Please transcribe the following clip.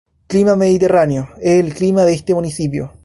Clima Mediterráneo: es el clima de este municipio.